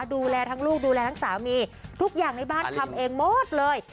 ดูแลทั้งลูกดูแลทั้งสามีทุกอย่างในบ้านทำเองหมดเลย